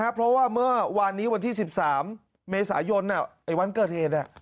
เพราะว่าวันนี้วันที่๑๓เมษายนไอ้วันเกิดเอง